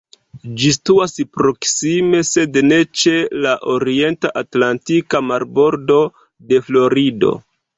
Ĝi situas proksime, sed ne ĉe la orienta atlantika marbordo de Florido.